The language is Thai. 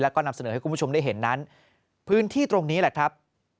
แล้วก็นำเสนอให้คุณผู้ชมได้เห็นนั้นพื้นที่ตรงนี้แหละครับ